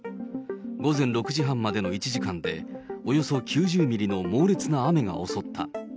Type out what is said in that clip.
午前６時半までの１時間で、およそ９０ミリの猛烈な雨が襲った。